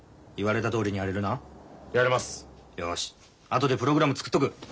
後でプログラム作っとく。